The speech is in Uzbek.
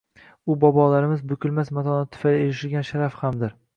u bobolarimiz bukilmas matonati tufayli erishgan sharaf hamdir.